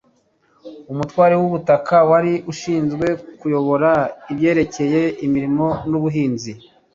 umutware w'ubutaka wari ushinzwe kuyobora ibyerekeye imirimo n'abahinzi